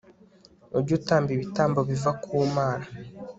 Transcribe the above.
ujye utamba ibitambo biva kumana